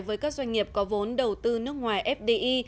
với các doanh nghiệp có vốn đầu tư nước ngoài fdi